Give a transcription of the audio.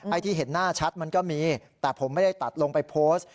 ที่เห็นหน้าชัดมันก็มีแต่ผมไม่ได้ตัดลงไปโพสต์